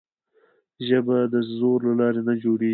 ژبه د زور له لارې نه جوړېږي.